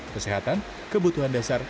kesehatan kebutuhan dasar